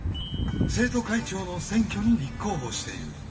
生徒会長の選挙に立候補している。